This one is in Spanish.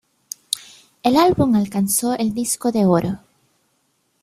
El álbum alcanzó el disco de oro.